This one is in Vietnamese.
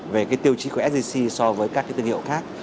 về tiêu chí của sgc so với các thương hiệu khác